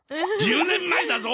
１０年前だぞ。